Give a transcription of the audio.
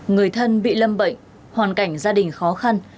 người thân bị lâm bệnh hoàn cảnh gia đình khó khăn